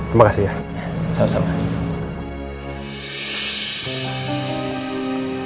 oke nanti lokasinya saya share lo boleh terima kasih ya